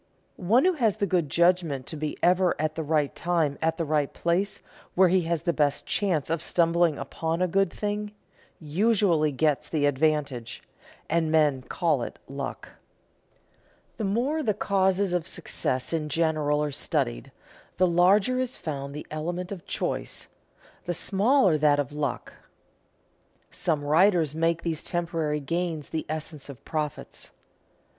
One who has the good judgment to be ever at the right time at the place where he has the best chance of stumbling upon a good thing, usually gets the advantage, and men call it luck. The more the causes of success in general are studied, the larger is found the element of choice, the smaller that of luck. Some writers make these temporary gains the essence of profits.